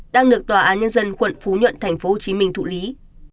đang được tòa án nhân dân quận phú nhuận tp hcm thụ lý